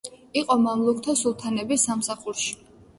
იყო მამლუქთა სულთნების სამსახურში.